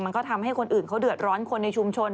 มันก็ทำให้คนอื่นเขาเดือดร้อนคนในชุมชน